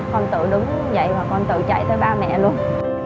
con tự đứng dậy mà con tự chạy tới ba mẹ luôn